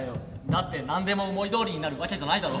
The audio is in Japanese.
だって何でも思いどおりになるわけじゃないだろ？